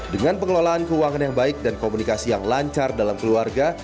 dengan pengelolaan keuangan yang baik dan komunikasi yang lancar dalam keluarga